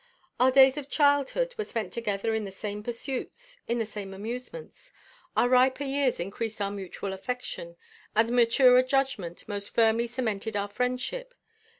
Our days of childhood were spent together in the same pursuits, in the same amusements. Our riper years increased our mutual affection, and maturer judgment most firmly cemented our friendship.